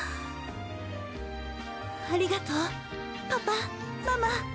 ありがとうパパママ！